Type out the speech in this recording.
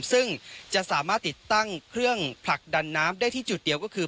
ซึ่งจะสามารถติดตั้งเครื่องผลักดันน้ำได้ที่จุดเดียวก็คือ